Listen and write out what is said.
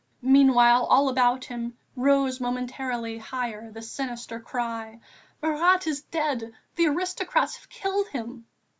Meantime, all about him, rose momentarily higher the sinister cry: "Marat is dead; the aristocrats have killed him!"